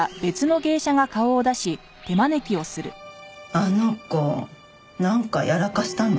あの子なんかやらかしたの？